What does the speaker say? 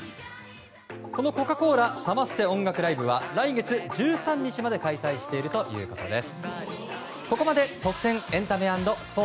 このコカ・コーラサマステ音楽ライブは来月１３日まで開催しているということです。